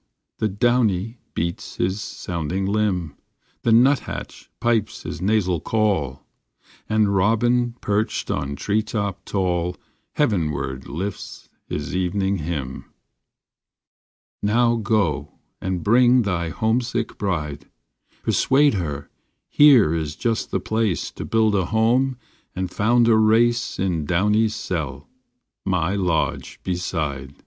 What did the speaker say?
The Downy beats his sounding limb, The nuthatch pipes his nasal call, And robin perched on treetop tall Heavenward lifts his evening hymn. Now go and bring thy homesick bride, Persuade her here is just the place To build a home and found a race In Downy s cell, my lodge beside.